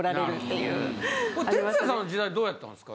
鉄矢さんの時代どうやったんですか？